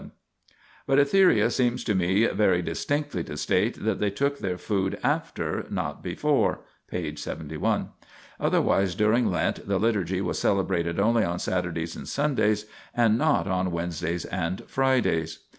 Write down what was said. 7), but Etheria seems to me very distinctly to state that they took their food after, not before (p. 71). Otherwise during Lent the Liturgy was celebrated only on Saturdays and Sundays, and not on Wednesdays and Fridays.